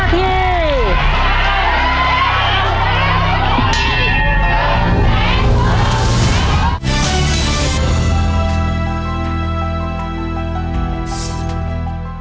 ขายในเวลา๓นาที